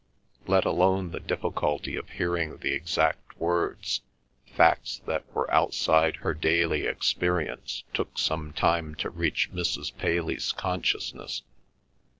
Let alone the difficulty of hearing the exact words, facts that were outside her daily experience took some time to reach Mrs. Paley's consciousness.